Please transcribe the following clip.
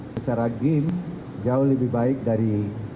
secara game jauh lebih baik dari